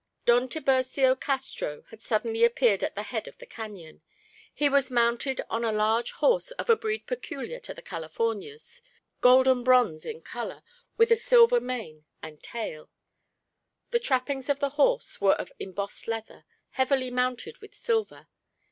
Don Tiburcio Castro had suddenly appeared at the head of the cañon. He was mounted on a large horse of a breed peculiar to the Californias, golden bronze in colour with silver mane and tail. The trappings of the horse were of embossed leather, heavily mounted with silver.